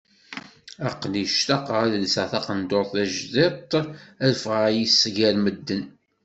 Aql-i ctaqeɣ ad lseɣ taqendurt tajdidt ad ffɣeɣ yis-s gar medden.